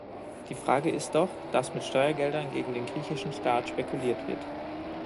Die Frage ist doch, dass mit Steuergeldern gegen den griechischen Staat spekuliert wird.